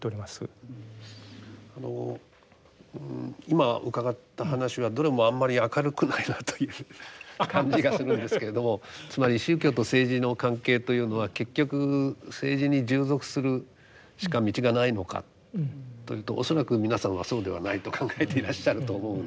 あの今伺った話はどれもあんまり明るくないなという感じがするんですけれどもつまり宗教と政治の関係というのは結局政治に従属するしか道がないのかというと恐らく皆さんはそうではないと考えていらっしゃると思うので。